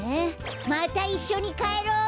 またいっしょにかえろう！